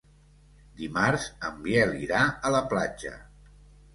Dimarts en Biel irà a la platja.